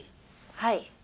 はい。